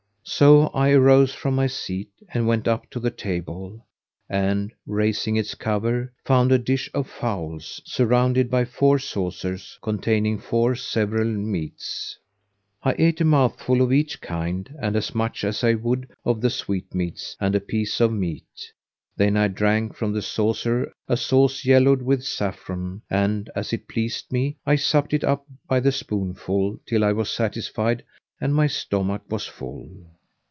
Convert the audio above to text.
So I arose from my seat and went up to the table and, raising its cover, found a dish of fowls, surrounded by four saucers containing four several meats. I ate a mouthful of each kind and as much as I would of the sweetmeats and a piece of meat: then I drank from the saucer a sauce yellowed with saffron[FN#505] and as it pleased me, I supped it up by the spoonful till I was satisfied and my stomach was full.